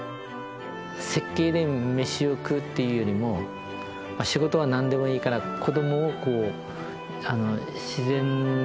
設計で飯を食うっていうよりもまあ仕事はなんでもいいから子どもをこう自然の場所